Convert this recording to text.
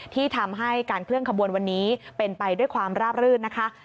ที่ทำให้การเคลื่อนขบวนวันนี้เป็นไปด้วยความราบรื่นนะคะ